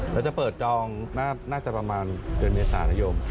แล้วจะเปิดจองน่าจะประมาณเดือนเมษานยม